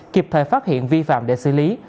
kịp thời phát hiện vi phạm để xử lý